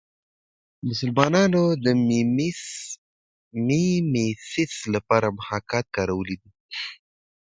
مسلمانانو د میمیسیس لپاره محاکات کارولی دی